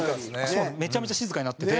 めちゃめちゃ静かになってて。